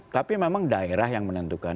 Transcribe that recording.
tapi memang daerah yang menentukan